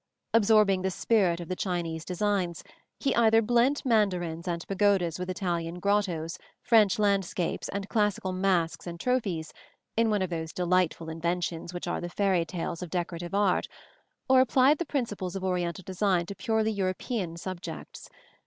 Absorbing the spirit of the Chinese designs, he either blent mandarins and pagodas with Italian grottoes, French landscapes, and classical masks and trophies, in one of those delightful inventions which are the fairy tales of decorative art, or applied the principles of Oriental design to purely European subjects.